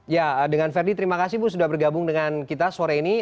ya dengan verdi terima kasih bu sudah bergabung dengan kita sore ini